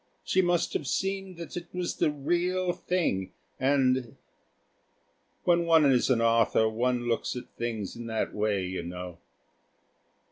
She must have seen that it was the real thing, and...." When one is an author one looks at things in that way, you know.